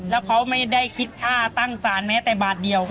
แล้วเขาไม่ได้คิดค่าตั้งสารแม้แต่บาทเดียว